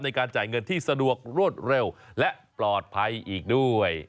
ในการจ่ายเงินที่สะดวกรวดเร็วและปลอดภัยอีกด้วย